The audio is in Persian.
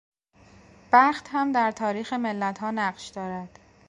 بخت هم در تاریخ ملتها نقش دارد.